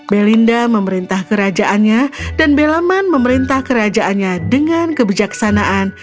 belinda memerintah kerajaannya dan belaman memerintah kerajaannya dengan kebijaksanaan